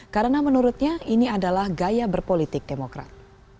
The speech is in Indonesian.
karena menurutnya ini adalah gaya berpolitik demokrat